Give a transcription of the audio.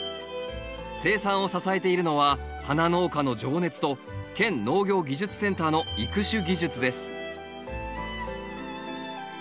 生産を支えているのは花農家の情熱と県農業技術センターの育種技術です